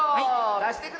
だしてください。